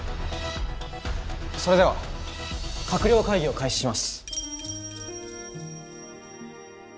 それでは閣僚会議を開始します。